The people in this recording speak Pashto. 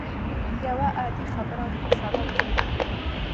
يوه عادي خبره ورته سبب جوړېږي.